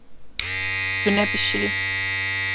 Tu nebişirî.